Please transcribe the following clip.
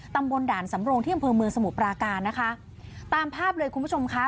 ตำบลด่านสำโรงที่อำเภอเมืองสมุทรปราการนะคะตามภาพเลยคุณผู้ชมค่ะ